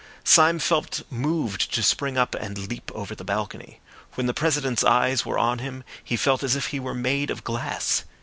Syme felt moved to spring up and leap over the balcony. When the President's eyes were on him he felt as if he were made of glass.